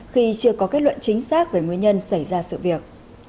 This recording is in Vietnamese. khi chưa có kết luận chính xác về nguyên nhân xảy ra sự việc